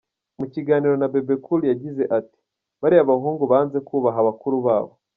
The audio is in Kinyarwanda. Mu kiganiro na Bebe Cool yagize ati: “Bariya bahungu banze kubaha bakuru babo.